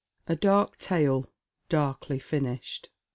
"a dark tale darkly finished.'